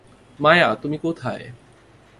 মায়া, তুমি কোথায়?